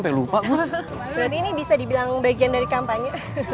berarti ini bisa dibilang bagian dari kampanye